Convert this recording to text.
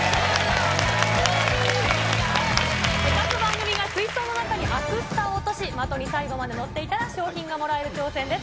各番組が水槽に中にアクスタを落とし、的に最後まで乗っていたら、賞品がもらえる挑戦です。